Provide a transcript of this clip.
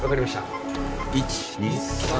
１２３！